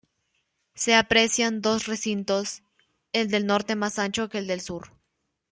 Se aprecian dos recintos, el del norte más ancho que el del sur.